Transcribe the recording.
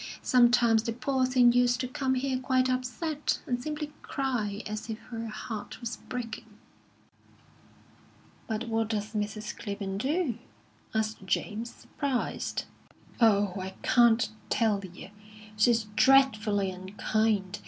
Sometimes the poor thing used to come here quite upset, and simply cry as if her heart was breaking." "But what does Mrs. Clibborn do?" asked James, surprised. "Oh, I can't tell you! She's dreadfully unkind.